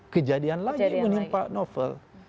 kejadian lagi menimpa novel